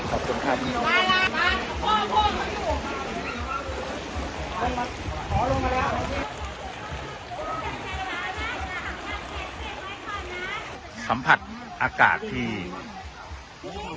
หลงหลงหลงหลงหลงหลงหลงหลงหลง